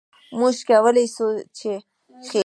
موږ کولای سو چې ښیښه یي صنعت فعال کړو.